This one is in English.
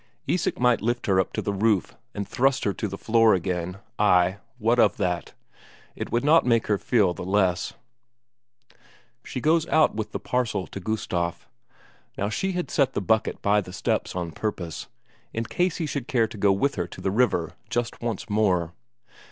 Isak might lift her up to the roof and thrust her to the floor again ay, what of that! It would not make her feel the less. She goes out with the parcel to Gustaf. Now she had set the bucket by the steps on purpose, in case he should care to go with her to the river just once more.